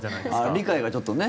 理解がちょっとね。